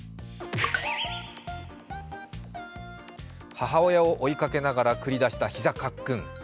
母親を追いかけながら繰り出した膝カックン。